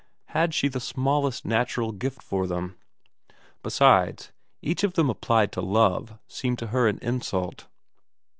Had she the smallest natural gift for them ? Besides, each of them applied to love seemed to her an insult.